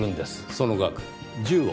その額１０億。